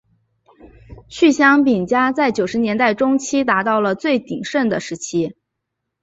趣香饼家在九十年代中期达到了其最鼎盛的时期。